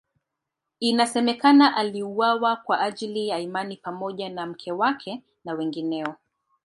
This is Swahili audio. Inasemekana aliuawa kwa ajili ya imani pamoja na mke wake na wengineo.